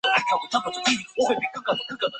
普雷赛莱。